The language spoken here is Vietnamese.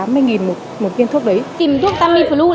mỗi hàng một kiểu